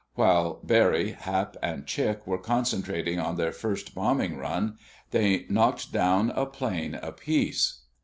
While Barry, Hap and Chick were concentrating on their first bombing run, they knocked down a plane apiece.